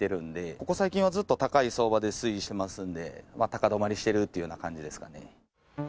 ここ最近はずっと高い相場で推移しますんで、まあ、高止まりしてるっていうような感じですかね。